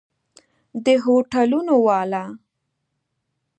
د هوټلونو والا!